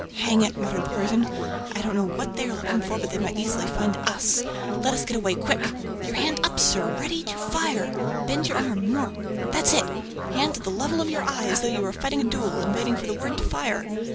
"Hang it!" muttered the Persian. "I don't know what they are looking for, but they might easily find us ... Let us get away, quick! ... Your hand up, sir, ready to fire! ... Bend your arm ... more ... that's it! ... Hand at the level of your eye, as though you were fighting a duel and waiting for the word to fire!